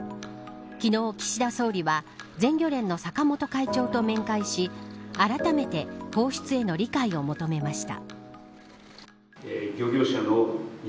昨日、岸田総理は全漁連の坂本会長と面会しあらためて放出への理解を求めました。